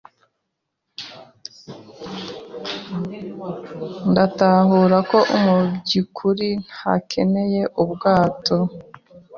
Ndatahura ko mu byukuri ntakeneye ubwato.